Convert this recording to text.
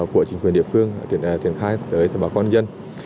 của chính quyền địa phương triển khai tới bà con dân